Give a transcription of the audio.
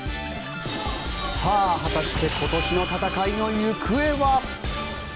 さあ、果たして今年の戦いの行方は。